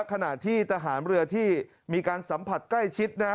ขณะที่ทหารเรือที่มีการสัมผัสใกล้ชิดนะฮะ